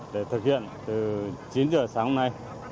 để thực hiện từ chín h sáng hôm nay